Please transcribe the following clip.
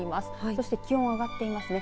そして気温、上がっていますね。